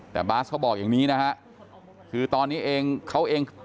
แต่บาสเขาบอกอย่างนี้นะฮะคือตอนนี้เองเขาเอง